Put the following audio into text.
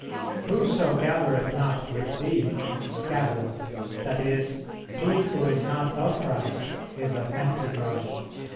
Whoso gathereth not with thee, scattereth; that is, he who is not of Christ is of Antichrist."